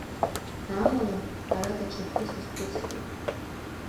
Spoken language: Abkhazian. Амала, ара даҽакгьы сазхәыцхьеит…